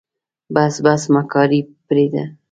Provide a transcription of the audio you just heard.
بس بس مکاري پرېده.